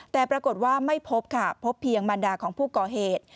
แต่ปรากฏว่าไม่พบค่ะพบเพียงบรรดาของผู้ก่อเหตุ